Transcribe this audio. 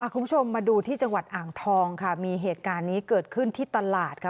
คุณผู้ชมมาดูที่จังหวัดอ่างทองค่ะมีเหตุการณ์นี้เกิดขึ้นที่ตลาดค่ะ